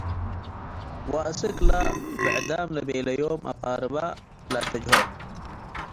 ወአስክለ ብዕዳም ለቤለዮም አቅራበ ለአተጅሆ ።